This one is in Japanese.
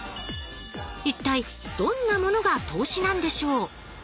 一体どんなものが投資なんでしょう？